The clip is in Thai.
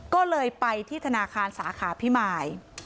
ก็เลยไปที่ธนาคารสาขาพิมาย